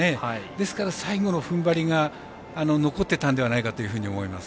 ですから最後の踏ん張りが残ってたんではないかと思います。